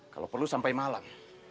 kalau perlu sampai malam